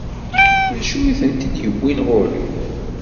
D acu ay tent-id-yewwin ɣer-i?